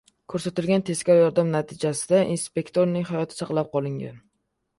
Ko‘rsatilgan tezkor yordam natijasida inspektorning hayoti saqlab qolingan